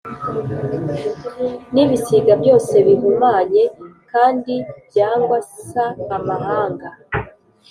n ibisiga byose bihumanye kandi byangwa c Amahanga